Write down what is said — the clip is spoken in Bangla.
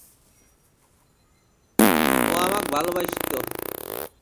ও আমাকে ভালবাসত।